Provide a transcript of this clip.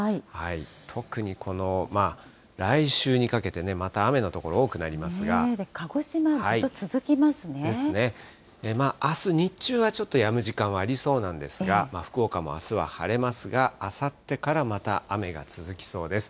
特にこの来週にかけて、また雨の所、多くなりますが。ですね。あす日中は、ちょっとやむ時間はありそうなんですが、福岡もあすは晴れますが、あさってからまた雨が続きそうです。